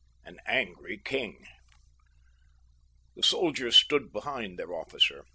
AN ANGRY KING The soldiers stood behind their officer.